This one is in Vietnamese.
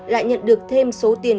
lại nhận được thêm số tiền